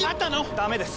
ダメです。